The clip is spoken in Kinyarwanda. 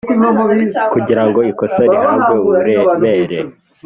kugira ngo ikosa rihabwe uburemere